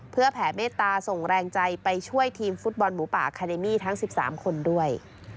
เพื่อแผ่เมตตาส่งแรงใจไปช่วยทีมฟุตบอลหมูป่าคาเดมี่ทั้ง๑๓คนด้วย